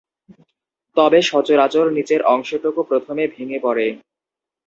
তবে সচরাচর নিচের অংশটুকু প্রথমে ভেঙ্গে পড়ে।